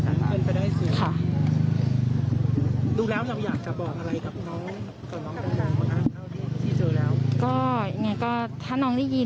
รู้แล้วไหนเราอยากจะบอกอะไรครับ